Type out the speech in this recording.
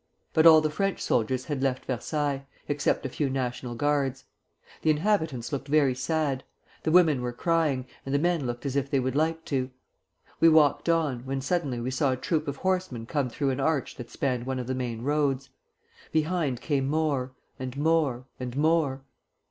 But all the French soldiers had left Versailles, except a few National Guards. The inhabitants looked very sad; the women were crying, and the men looked as if they would like to. We walked on, when suddenly we saw a troop of horsemen come through an arch that spanned one of the main roads; behind came more, and more, and more.